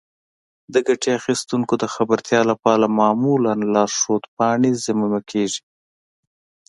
د ګټې اخیستونکو د خبرتیا لپاره معمولا لارښود پاڼې ضمیمه کیږي.